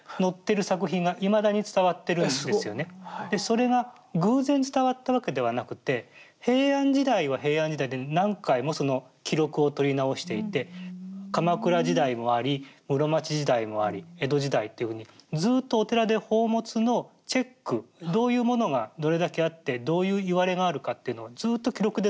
それが偶然伝わったわけではなくて平安時代は平安時代で何回もその記録を取り直していて鎌倉時代もあり室町時代もあり江戸時代っていうふうにずっとお寺で宝物のチェックどういうものがどれだけあってどういういわれがあるかっていうのをずっと記録で残してるんです。